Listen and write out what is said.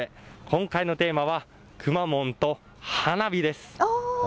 今回のテーマは、くまモンと花火です。